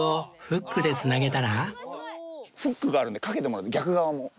フックがあるんでかけてもらって逆側も。